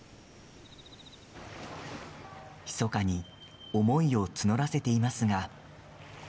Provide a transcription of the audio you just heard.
ひそかに思いを募らせていますが。